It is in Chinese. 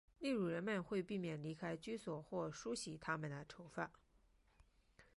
例如人们会避免离开居所或梳洗他们的头发。